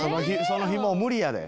その日もう無理やで。